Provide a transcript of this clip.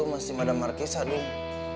masih madem markisa dulu